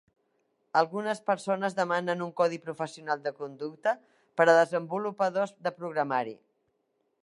Algunes persones demanen un codi professional de conducta per a desenvolupadors de programari.